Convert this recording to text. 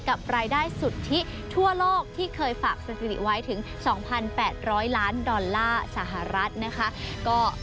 กับรายได้สุทธิทั่วโลกที่เคยฝากสถิติไว้ถึง๒๘๐๐ล้านดอลลาร์สหรัฐนะคะ